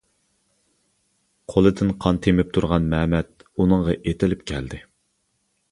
قۇلىدىن قان تېمىپ تۇرغان مەمەت ئۇنىڭغا ئېتىلىپ كەلدى.